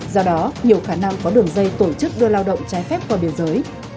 do đó nhiều khả năng có đường dây tổ chức đưa lao động trái phép qua biên giới